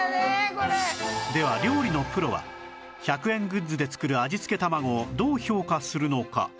では料理のプロは１００円グッズで作る味付けたまごをどう評価するのか？